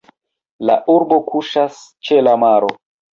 La urbo kuŝas ĉe la maro.